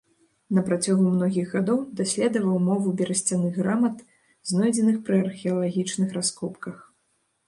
На працягу многіх гадоў даследаваў мову берасцяных грамат, знойдзеных пры археалагічных раскопках.